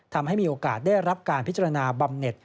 ทำให้มีโอกาสได้รับการพิจารณาบำเน็ต